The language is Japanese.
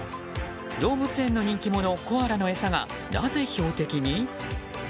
動物園の人気者、コアラの餌がなぜ標的に？